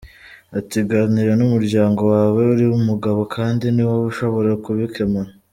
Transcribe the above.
Ati “Ganira n’umuryango wawe, uri umugabo kandi ni wowe ushobora kubikemura.